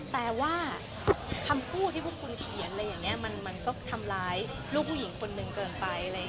แต่ว่าคำพูดที่พวกคุณเขียนอะไรอย่างนี้มันก็ทำร้ายลูกผู้หญิงคนหนึ่งเกินไป